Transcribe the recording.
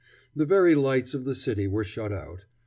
The very lights of the city were shut out.